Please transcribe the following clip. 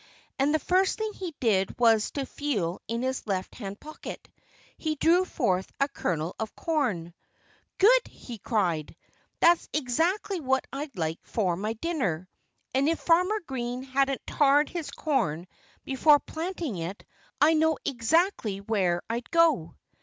And the first thing he did was to feel in his left hand pocket. He drew forth a kernel of corn. "Good!" he cried. "That's exactly what I'd like for my dinner. And if Farmer Green hadn't tarred his corn before planting it I know exactly where I'd go."